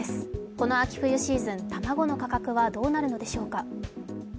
この秋冬シーズン、卵の価格はどうなるのでしょうか。